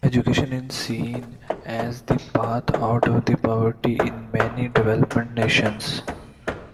Education is seen as the path out of poverty in many developing nations.